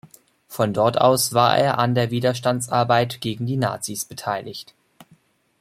Von dort aus war er an der Widerstandsarbeit gegen die Nazis beteiligt.